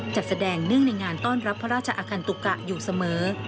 จัดแสดงเนื่องในงานต้อนรับพระราชอคันตุกะอยู่เสมอ